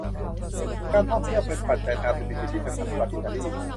การท่องเที่ยวเป็นปัจจัยทางเศรษฐกิจที่สำคัญสำหรับอิตาลี